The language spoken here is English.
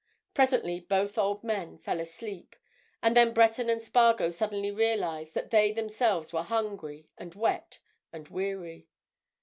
Presently both old men fell asleep, and then Breton and Spargo suddenly realized that they themselves were hungry and wet and weary.